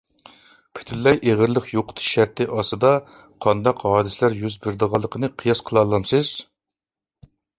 پۈتۈنلەي ئېغىرلىق يوقىتىش شەرتى ئاستىدا قانداق ھادىسىلەر يۈز بېرىدىغانلىقىنى قىياس قىلالامسىز؟